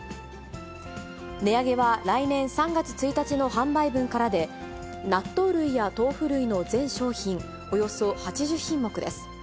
値上げは来年３月１日の販売分からで、納豆類や豆腐類の全商品およそ８０品目です。